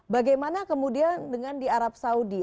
bagaimana kemudian dengan di arab saudi